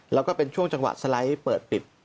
อย่างนั้นมันเป็นช่วงจังหวะสไลด์เปิดปิด